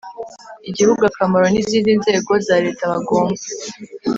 Igihugu akamaro n izindi nzego za leta bagomba